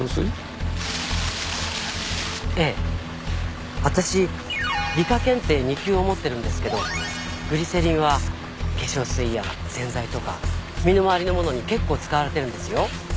ええ私理科検定２級を持ってるんですけどグリセリンは化粧水や洗剤とか身の回りのものに結構使われてるんですよ